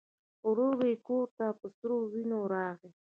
ورور یې کور ته په سرې وینو راغی.